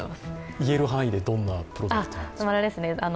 言える範囲で、どんなプロジェクトなんですか。